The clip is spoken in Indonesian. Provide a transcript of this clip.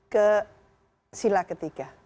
ke sila ketiga